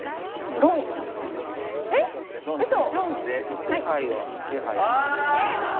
ロンということで手牌を見してください。